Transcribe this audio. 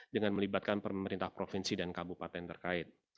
dengan melibatkan pemerintah provinsi dan kabupaten terkait